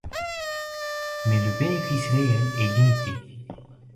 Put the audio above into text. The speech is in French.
Mais le bénéfice réel est limité.